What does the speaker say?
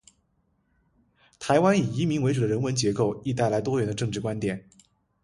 台湾以移民为主的人文结构，亦带来多元的政治观点。